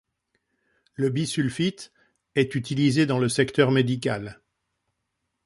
Le bisulfite est utilisé dans le secteur médical.